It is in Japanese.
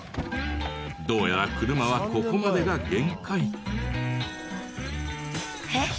どうやら車はここまでが限界えっ？